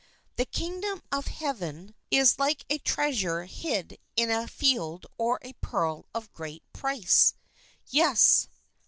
The Kingdom of Heaven is like a treasure hid in a field or a pearl of great price. Yes